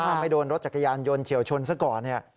ถ้าไม่โดนรถจักรยานยนต์เฉียวชนซะก่อนเนี่ย